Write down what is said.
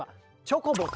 チョコボ。